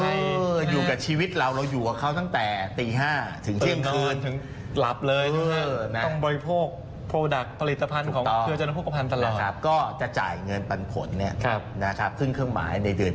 เอออยู่กับชีวิตเราเราอยู่กับเขาตั้งแต่ตี๕ถึงเชื่อมนอนถึงหลับเลย